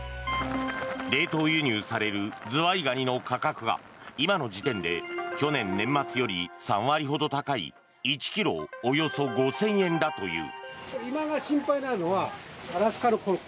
冷凍輸入されるズワイガニの価格が今の時点で去年年末より３割ほど高い、１ｋｇおよそ５０００円だという。